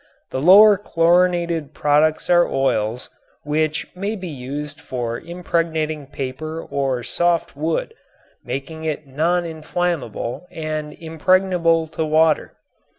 The lower chlorinated products are oils, which may be used for impregnating paper or soft wood, making it non inflammable and impregnable to water.